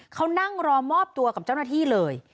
เขานั่งรอมอบตัวกับเจ้าหน้าที่เลย